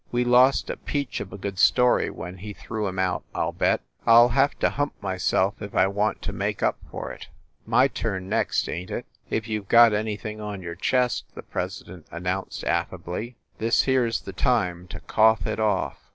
"We lost a peach of a good story when he threw him out, I ll bet! I ll have to hump myself if I want to make up for it. My turn next, ain t it ?" "If you ve got anything on your chest," the presi dent announced affably, "this here s the time to cough it off."